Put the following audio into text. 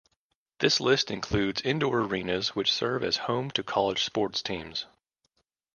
This list includes indoor arenas which serve as home to college sports teams.